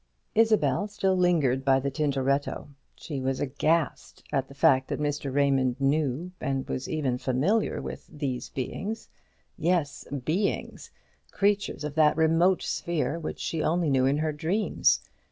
Isabel still lingered by the Tintoretto. She was aghast at the fact that Mr. Raymond knew, and was even familiar with, these beings. Yes; Beings creatures of that remote sphere which she only knew in her dreams.